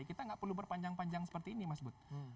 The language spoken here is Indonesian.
kita nggak perlu berpanjang panjang seperti ini mas bud